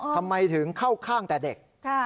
ทำไมถึงเข้าข้างแต่เด็ก